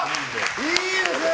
いいですね！